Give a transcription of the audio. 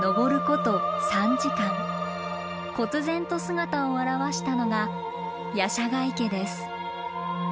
こつ然と姿を現したのが夜叉ヶ池です。